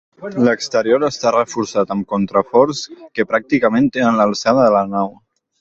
L'exterior està reforçat amb contraforts que pràcticament tenen l'alçada de la nau.